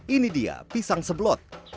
ini dia pisang sebelot